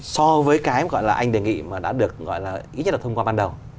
so với cái gọi là anh đề nghị mà đã được gọi là ít nhất là thông qua ban đầu